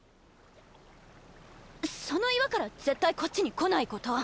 その岩から絶対こっちに来ないこと。